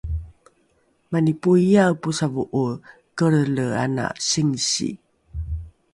mani poiae posavo’oe kelrele ana singsi